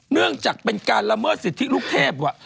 เนื่องจากเป็นการละเมิดสิทธิลูกเทพ